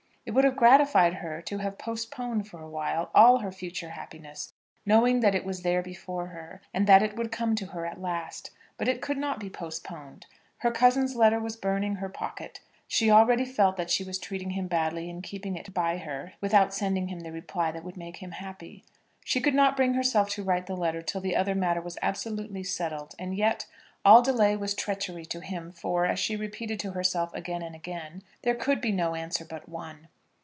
It would have gratified her to have postponed for awhile all her future happiness, knowing that it was there before her, and that it would come to her at last. But it could not be postponed. Her cousin's letter was burning her pocket. She already felt that she was treating him badly in keeping it by her without sending him the reply that would make him happy. She could not bring herself to write the letter till the other matter was absolutely settled; and yet, all delay was treachery to him; for, as she repeated to herself again and again, there could be no answer but one.